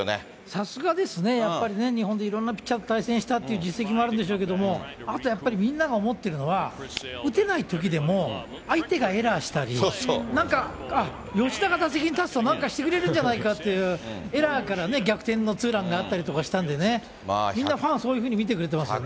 さすがですね、やっぱりね、日本でいろんなピッチャーと対戦したっていう実績もあるんでしょうけども、あとやっぱり、みんなが思ってるのは、打てないときでも相手がエラーしたり、なんか、あっ、吉田が打席に立つとなんかしてくれるんじゃないかっていう、エラーからね、逆転のツーランがあったりしたんでね、みんなファン、そういうふうに見てくれてますよね。